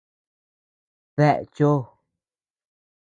¿Dae cho?